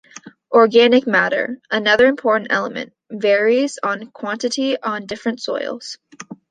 Organic matter, another important element, varies on quantity on different soils.